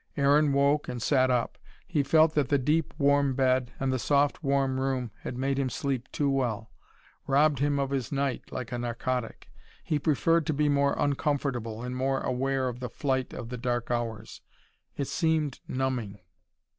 Aaron woke and sat up. He felt that the deep, warm bed, and the soft, warm room had made him sleep too well: robbed him of his night, like a narcotic. He preferred to be more uncomfortable and more aware of the flight of the dark hours. It seemed numbing.